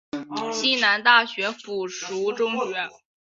西南大学附属中学。